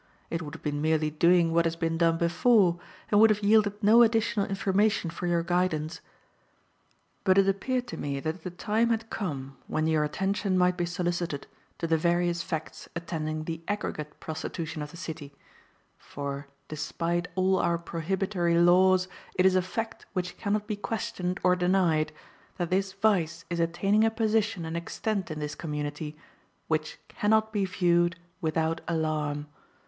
It would have been merely doing what has been done before, and would have yielded no additional information for your guidance. But it appeared to me that the time had come when your attention might be solicited to the various facts attending the aggregate prostitution of the city; for, despite all our prohibitory laws, it is a fact which can not be questioned or denied that this vice is attaining a position and extent in this community which can not be viewed without alarm.